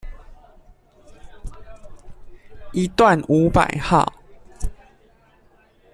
一段五百號